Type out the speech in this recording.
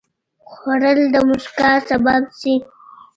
خوړل د مسکا سبب شي